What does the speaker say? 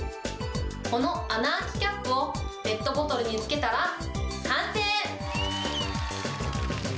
この穴開きキャップをペットボトルにつけたら完成。